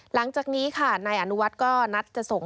หลังจากนี้ค่ะนายอนุวัฒน์ก็นัดจะส่ง